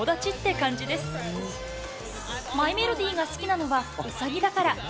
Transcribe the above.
マイメロディが好きなのは、ウサギだから。